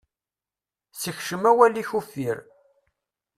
Sekcem awal-ik uffir.